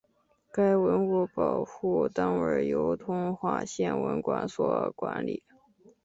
该文物保护单位由通化县文管所管理。